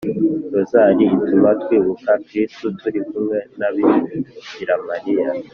rozali ituma twibuka kristu turi kumwe na bikira mariya